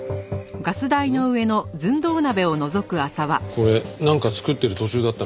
これなんか作ってる途中だったのかな？